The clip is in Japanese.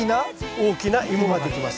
大きなイモができます。